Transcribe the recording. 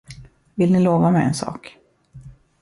Vill ni lova mig en sak?